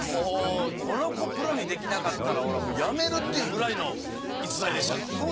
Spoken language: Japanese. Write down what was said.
もうこの子プロにできなかったら俺は辞めるっていうくらいの逸材でしたか。